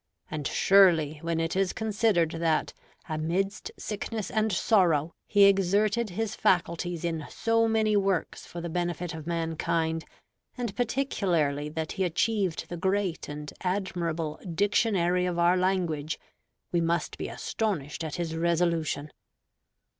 And surely, when it is considered that "amidst sickness and sorrow" he exerted his faculties in so many works for the benefit of mankind, and particularly that he achieved the great and admirable Dictionary of our language, we must be astonished at his resolution.